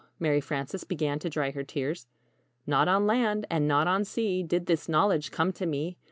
Mary Frances began to dry her tears. "Not on land, and not on sea Did this knowledge come to me.